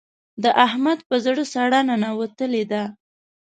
د احمد په زړه ساړه ننوتلې ده.